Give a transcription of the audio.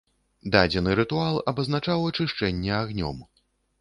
Дадзены рытуал абазначаў ачышчэнне агнём.